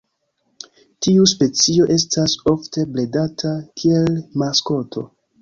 Tiu specio estas ofte bredata kiel maskoto.